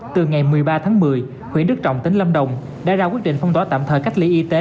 từ ngày một mươi ba tháng một mươi huyện đức trọng tỉnh lâm đồng đã ra quyết định phong tỏa tạm thời cách ly y tế